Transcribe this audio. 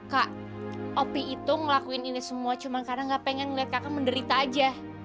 kak opi itu ngelakuin ini semua cuma karena gak pengen ngeliat kakak menderita aja